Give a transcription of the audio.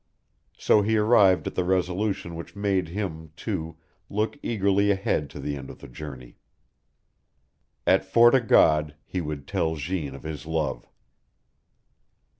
So he arrived at the resolution which made him, too, look eagerly ahead to the end of the journey. At Fort o' God he would tell Jeanne of his love.